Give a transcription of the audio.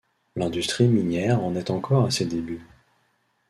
L’industrie minière en est encore à ses débuts.